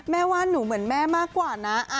แม่ว่าหนูเหมือนแม่มากกว่านะ